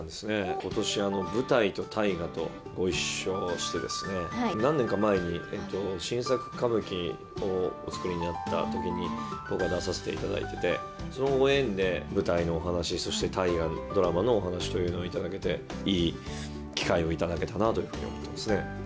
ことし、舞台と大河とご一緒して、何年か前に新作歌舞伎をお作りになったときに僕は出させていただいてて、そのご縁で、舞台のお話、そして大河ドラマのお話というのを頂けて、いい機会を頂けたなというふうに思ってますね。